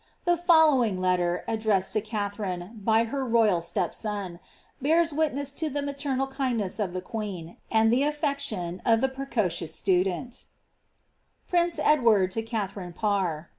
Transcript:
The following letter, addressed to Katharine by her royal step son, bears witness to the maternal kindness of the queen, and the affection of the precocioui student :— pRixrx Edward to Kathariks Parr.